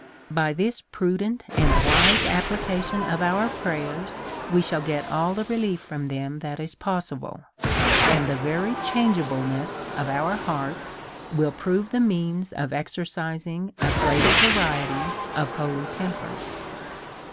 By this prudent and wise application of our pray ers, we shall get all the relief from them that is possi ble ; and the very changeableness of our hearts will prove a means of exercising a greater variety of holy tempers.